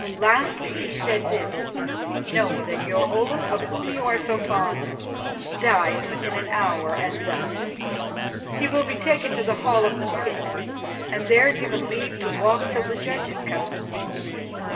Lastly she said this, 'Know that your Olaf of whom you are so fond dies within an hour and thus: He will be taken to the Hall of the Pit and there given leave to walk till the judges come.